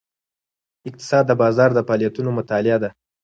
اقتصاد د بازار د فعالیتونو مطالعه ده.